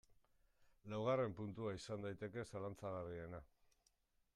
Laugarren puntua izan daiteke zalantzagarriena.